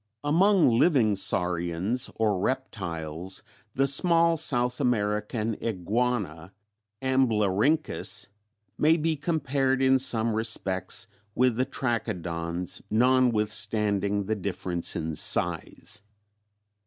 "Among living saurians, or reptiles, the small South American iguana Amblyrhynchus may be compared in some respects with the Trachodons notwithstanding the difference in size.